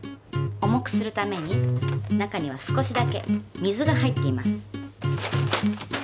重くするために中には少しだけ水が入っています。